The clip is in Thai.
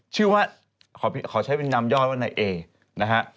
ชื่อว่าขอใช้เป็นนำยอดว่านายเอนะฮะ